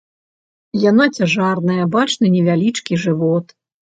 Яна цяжарная, бачны невялічкі жывот.